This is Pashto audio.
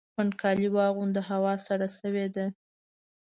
پنډ کالي واغونده ! هوا سړه سوې ده